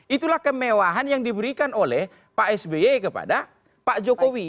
itulah kemewahan yang diberikan oleh pak sby kepada pak jokowi